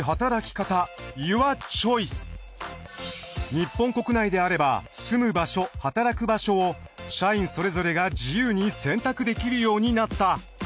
日本国内であれば住む場所はたらく場所を社員それぞれが自由に選択できるようになった。